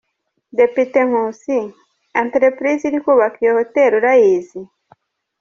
Depite Nkusi: Entreprise iri kubaka iyo hoteli urayizi?